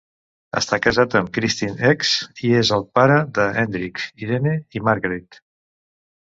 Està casat amb Kristin Ex i és el pare de Hendrik, Irene i Margreet.